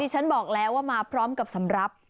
ฉันบอกแล้วว่ามาพร้อมกับสำหรับ